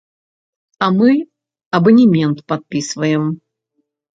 А мы абанемент падпісваем.